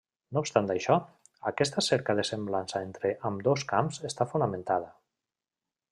No obstant això, aquesta cerca de semblança entre ambdós camps està fonamentada.